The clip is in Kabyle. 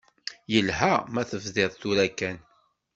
Yelha ma tebdiḍ tura kan.